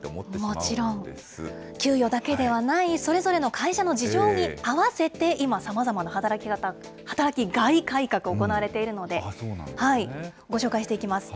もちろん、給与だけではないそれぞれの会社の事情に合わせて今、さまざまな働きがい改革、行われているので、ご紹介していきます。